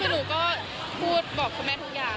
หนูก็พูดบอกคุณแม่ทุกอย่าง